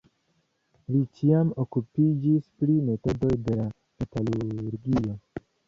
Li ĉiam okupiĝis pri metodoj de la metalurgio.